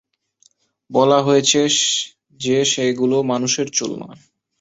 বলা হয়েছে যে সেগুলো মানুষের চুল নয়।